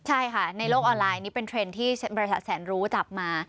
ใช่ค่ะในโลกออนไลน์นี่เป็นเทรนด์ที่บริษัทแสนรู้จับมา